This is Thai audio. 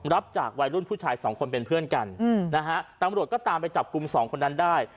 รับจากวัยรุ่นผู้ชายสองคนเป็นเพื่อนกันนะฮะตำรวจก็ตามไปจับกลุ่มสองคนนั้นได้